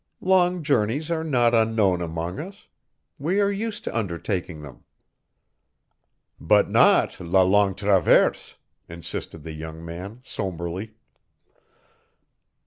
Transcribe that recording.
Long journeys are not unknown among us. We are used to undertaking them." "But not la Longue Traverse," insisted the young man, sombrely.